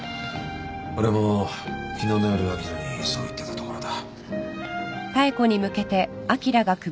俺も昨日の夜あきらにそう言ってたところだ。